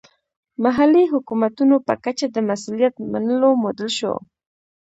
محلي حکومتونو په کچه د مسوولیت منلو موډل شو.